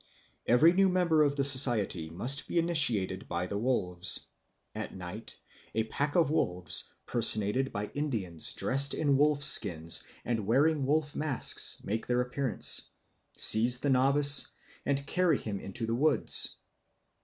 Every new member of the society must be initiated by the wolves. At night a pack of wolves, personated by Indians dressed in wolf skins and wearing wolf masks, make their appearance, seize the novice, and carry him into the woods.